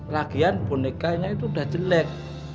ragian bonekanya itu sudah jelek